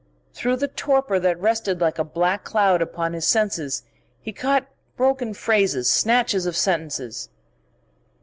Through the torpor that rested like a black cloud upon his senses he caught broken phrases, snatches of sentences